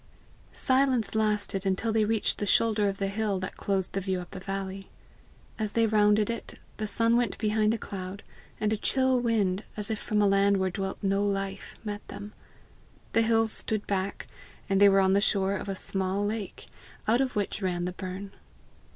Silence lasted until they reached the shoulder of the hill that closed the view up the valley. As they rounded it, the sun went behind a cloud, and a chill wind, as if from a land where dwelt no life, met them. The hills stood back, and they were on the shore of a small lake, out of which ran the burn.